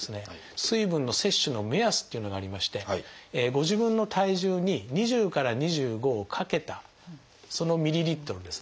水分の摂取の目安っていうのがありましてご自分の体重に２０から２５を掛けたそのミリリットルですね。